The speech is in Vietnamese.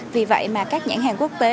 vì vậy mà các nhãn hàng quốc tế